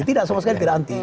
tidak sama sekali tidak anti